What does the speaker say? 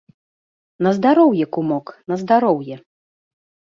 На здароўе, кумок, на здароўе!